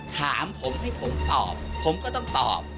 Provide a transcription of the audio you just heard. ถามผมให้ผมตอบผมก็ต้องตอบ